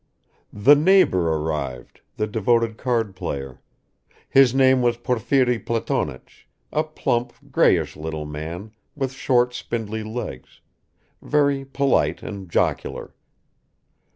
The neighbor arrived, the devoted cardplayer; his name was Porfiri Platonich, a plump greyish little man with short spindly legs, very polite and jocular.